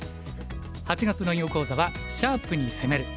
８月の囲碁講座は「シャープに攻める」。